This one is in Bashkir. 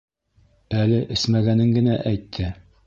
Әле эсмәгәнен генә әйтте.